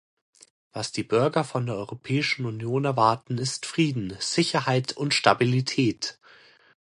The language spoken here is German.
Was die Bürger von der Europäischen Union erwarten, ist Frieden, Sicherheit und Stabilität.